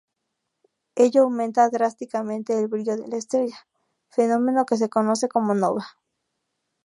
Ello aumenta drásticamente el brillo de la estrella, fenómeno que se conoce como nova.